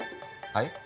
はい？